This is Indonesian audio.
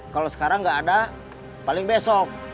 kalau sekarang nggak ada paling besok